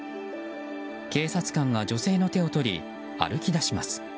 警察官が女性の手を取り歩き出します。